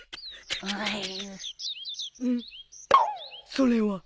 それは。